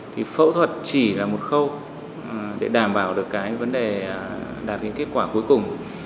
thì phẫu thuật chỉ là một khâu để đảm bảo được cái vấn đề đạt cái kết quả cuối cùng